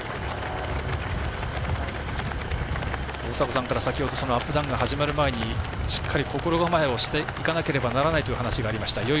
大迫さんからアップダウンが始まる前にしっかり心構えをしていかなければならないという話がありました。